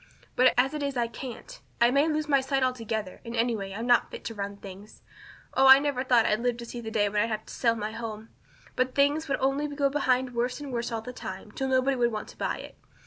But as it is I can't. I may lose my sight altogether; and anyway I'll not be fit to run things. Oh, I never thought I'd live to see the day when I'd have to sell my home. But things would only go behind worse and worse all the time, till nobody would want to buy it.